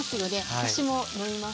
私も飲みます。